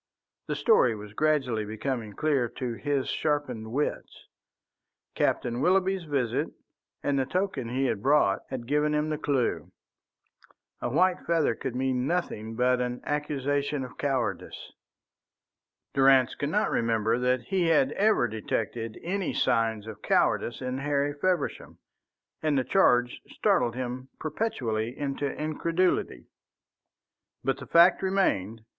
The story was gradually becoming clear to his sharpened wits. Captain Willoughby's visit and the token he had brought had given him the clue. A white feather could mean nothing but an accusation of cowardice. Durrance could not remember that he had ever detected any signs of cowardice in Harry Feversham, and the charge startled him perpetually into incredulity. But the fact remained.